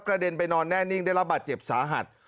เด็นไปนอนแน่นิ่งได้รับบาดเจ็บสาหัส